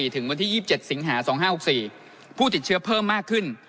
ถึงวันที่๒๗สิงหา๒๕๖๔ผู้ติดเชื้อเพิ่มมากขึ้น